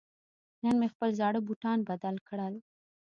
نن مې خپل زاړه بوټان بدل کړل.